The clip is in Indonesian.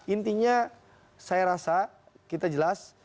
intinya saya rasa kita jelas